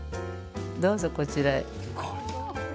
どうぞ、こちらへ。